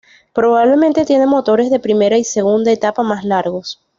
Probablemente tiene motores de primera y segunda etapa más largos.